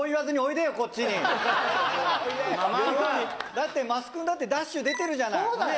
だって桝君だって『ＤＡＳＨ‼』出てるじゃない。